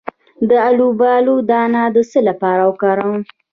د الوبالو دانه د څه لپاره وکاروم؟